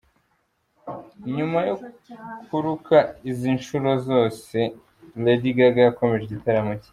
Nyuma yo kuruka izi nshuro zose, Lady Gaga yakomeje igitaramo cye.